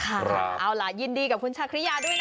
เอาล่ะยินดีกับคุณชาคริยาด้วยนะ